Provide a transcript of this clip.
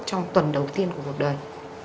trong tuần đầu tiên của cuộc đời